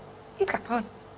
hít gặp hơn